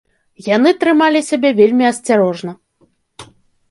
Яны трымалі сябе вельмі асцярожна.